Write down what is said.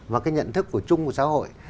và cái nhận thức của chung của xã hội